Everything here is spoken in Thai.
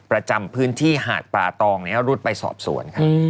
ประจำพื้นที่หาดป่าตองรุดไปสอบสวนค่ะ